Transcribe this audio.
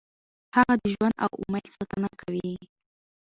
هغه د ژوند او امید ستاینه کوي.